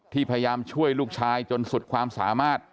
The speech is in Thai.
พยายามช่วยลูกชายจนสุดความสามารถ